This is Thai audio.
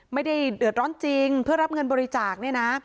ไม่ได้เดือดร้อนจริงเพื่อรับเงินบริจาคเนี่ยนะ